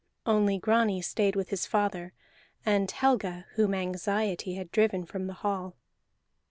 Only Grani stayed with his father, and Helga whom anxiety had driven from the hall.